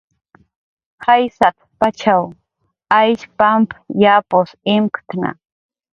"Jaysat"" pachaw Aysh pamp yapus imktna"